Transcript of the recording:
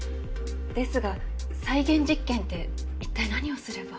ですが再現実験って一体何をすれば？